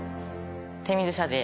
手水舎で。